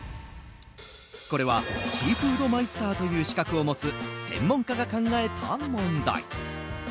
これはシーフードマイスターという資格を持つ専門家が考えた問題。